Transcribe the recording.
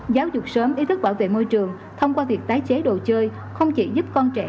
giáo dục sớm ý thức bảo vệ môi trường thông qua việc tái chế đồ chơi không chỉ giúp con trẻ